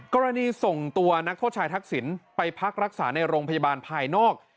กรณีส่งตัวนักโทษชายทักษิณไปพักรักษาในโรงพยาบาลภายนอก